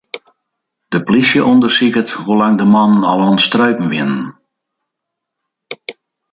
De plysje ûndersiket hoe lang de mannen al oan it streupen wiene.